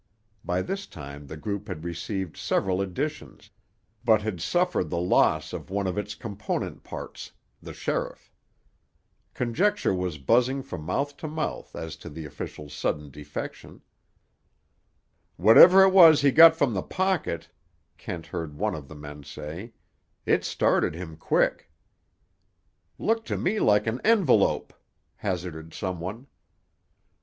By this time the group had received several additions, but had suffered the loss of one of its component parts, the sheriff. Conjecture was buzzing from mouth to mouth as to the official's sudden defection. "Whatever it was he got from the pocket," Kent heard one of the men say, "it started him quick." "Looked to me like an envelope," hazarded some one.